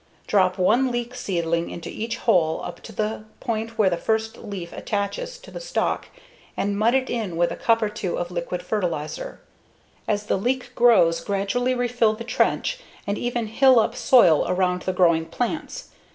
Drop one leek seedling into each hole up to the point that the first leaf attaches to the stalk, and mud it in with a cup or two of liquid fertilizer. As the leeks grow, gradually refill the trench and even hill up soil around the growing plants.